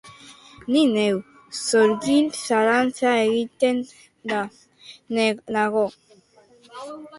Ni neu, sorgin galanta eginda nago!